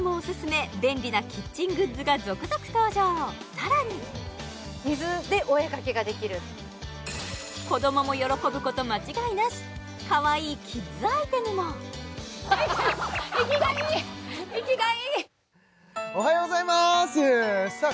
さらに子どもも喜ぶこと間違いなしかわいいキッズアイテムもおはようございますさあ